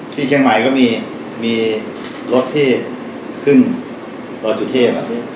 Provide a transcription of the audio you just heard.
ที่เชียงใหม่ก็มีรถที่ขึ้นดอยสุเทพ